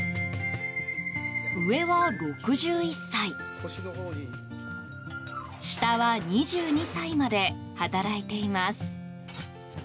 上は６１歳下は２２歳まで働いています。